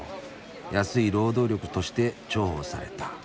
安い労働力として重宝された」。